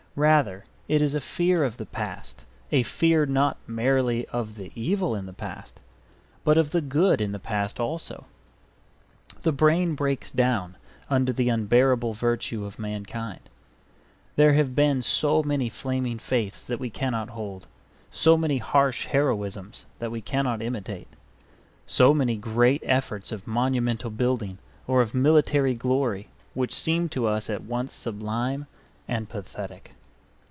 Rather it is a fear of the past; a fear not merely of the evil in the past, but of the good in the past also. The brain breaks down under the unbearable virtue of mankind. There have been so many flaming faiths that we cannot hold; so many harsh heroisms that we cannot imitate; so many great efforts of monumental building or of military glory which seem to us at once sublime and pathetic.